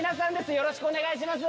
よろしくお願いします。